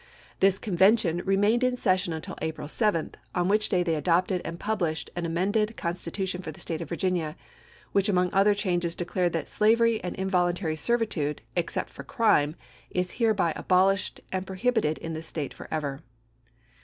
This Convention 1864, remained in session until April 7, on which day they adopted and published an amended con stitution for the State of Virginia, which among other changes declared that " slavery and involun tary servitude (except for crime) is hereby abol BECONSTBUOTION 439 ished and prohibited in this State forever."